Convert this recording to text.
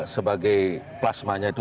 sebagai plasmanya itu